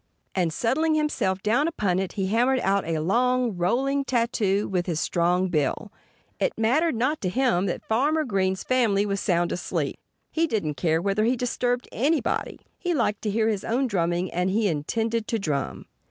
And settling himself down upon it he hammered out a long, rolling tattoo with his strong bill. It mattered not to him that Farmer Green's family was sound asleep. He didn't care whether he disturbed anybody. He liked to hear his own drumming; and he intended to drum.